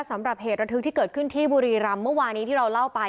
สำหรับเหตุระทึกที่เกิดขึ้นที่บุรีรำเมื่อวานี้ที่เราเล่าไป